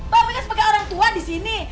babe kan sebagai orang tua di sini